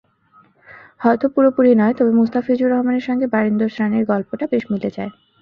হয়তো পুরোপুরি নয়, তবে মুস্তাফিজুর রহমানের সঙ্গে বারিন্দর স্রানের গল্পটা বেশ মিলে যায়।